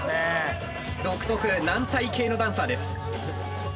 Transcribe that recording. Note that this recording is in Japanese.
独特軟体系のダンサーです。